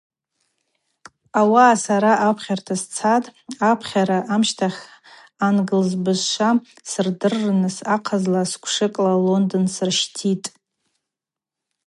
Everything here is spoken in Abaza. Ауаъа сара апхьарта сцатӏ, апхьара амщтахь ангьльыз бызшва ссырдырныс ахъазла сквшыкӏла Лондон сырщтитӏ.